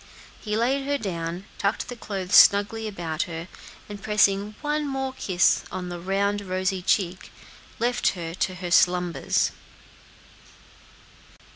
He laid her down, tucked the clothes snugly about her, and pressing one more kiss on the round, rosy cheek, left her to her slumbers.